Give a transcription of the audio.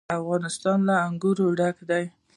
افغانستان له انګور ډک دی.